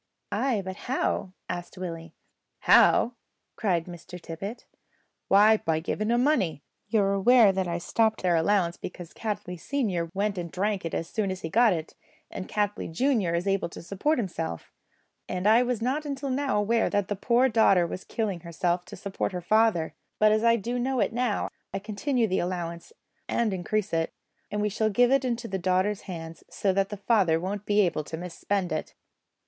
"Ay, but how?" asked Willie. "How?" cried Mr Tippet; "why, by giving 'em money. You are aware that I stopped their allowance because Cattley senior went and drank it as soon as he got it, and Cattley junior is able to support himself, and I was not until now aware that the poor daughter was killing herself to support her father; but as I do know it now I'll continue the allowance and increase it, and we shall give it into the daughter's hands, so that the father won't be able to mis spend it."